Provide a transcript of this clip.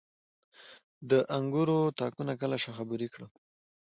د انګورو تاکونه کله شاخه بري کړم؟